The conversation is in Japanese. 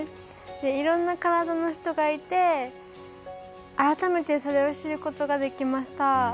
いろんな体の人がいて、改めてそれを知ることができました。